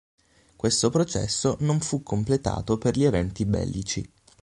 Questo processo non fu completato per gli eventi bellici.